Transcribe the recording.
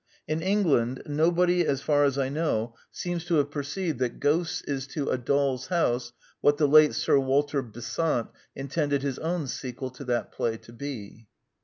In England nobody, as far as I know, seems to have per 98 The Quintessence of Ibsenism ceived that Ghosts is to A Doll's House what the late Sir Walter Besant intended his own sequel ^ to that play to be.